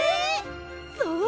そう！